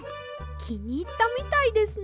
きにいったみたいですね。